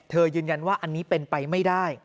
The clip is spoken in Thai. ยืนยันว่าอันนี้เป็นไปไม่ได้